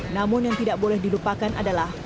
namun yang tidak boleh dilupakan adalah